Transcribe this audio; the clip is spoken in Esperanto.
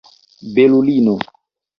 belulino